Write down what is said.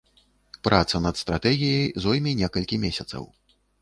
Праца над стратэгіяй зойме некалькі месяцаў.